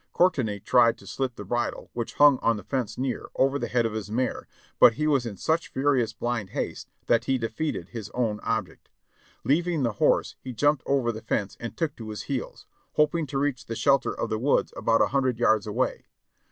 Courtenay tried to slip the bridle, which hung on the fence near, over the head of his mare, but he was in such furious, blind haste that he defeated his own object. Leav ing the horse he jumped over the fence and took to his heels, hoping to reach the shelter of the woods about a hundred yards away.